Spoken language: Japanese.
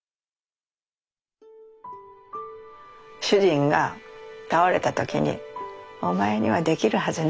主人が倒れた時にお前にはできるはずないなって言っててはあ？